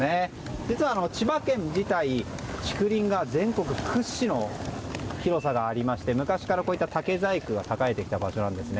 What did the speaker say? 実は千葉県自体竹炭が全国屈指の広さがありまして昔からこういった竹細工が栄えてきた場所なんですね。